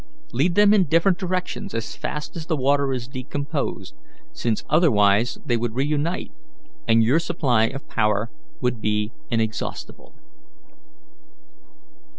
Lead them in different directions as fast as the water is decomposed since otherwise they would reunite and your supply of power will be inexhaustible."